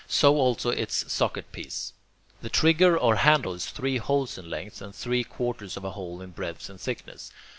So also its socket piece. The trigger or handle is three holes in length and three quarters of a hole in breadth and thickness.